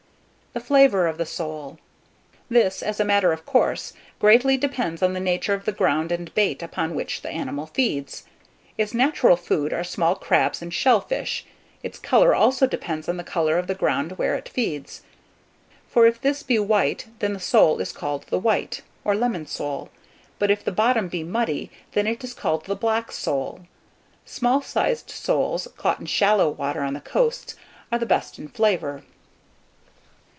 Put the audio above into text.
THE FLAVOUR OF THE SOLE. This, as a matter of course, greatly depends on the nature of the ground and bait upon which the animal feeds. Its natural food are small crabs and shell fish. Its colour also depends on the colour of the ground where it feeds; for if this be white, then the sole is called the white, or lemon sole; but if the bottom be muddy, then it is called the black sole. Small sized soles, caught in shallow water on the coasts, are the best in flavour.